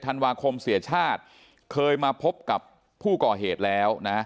ธันวาคมเสียชาติเคยมาพบกับผู้ก่อเหตุแล้วนะ